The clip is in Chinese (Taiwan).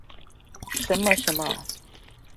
什麼什麼